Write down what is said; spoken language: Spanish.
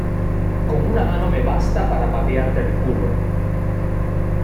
con una mano me basta para patearte el culo.